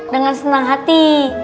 dengan senang hati